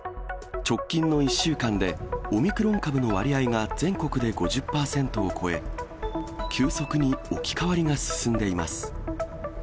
直近の１週間でオミクロン株の割合が全国で５０％を超え、急速に置き換わりが進んでいます。